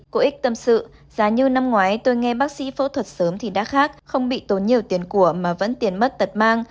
có ích tâm sự giá như năm ngoái tôi nghe bác sĩ phẫu thuật sớm thì đã khác không bị tốn nhiều tiền của mà vẫn tiền mất tật mang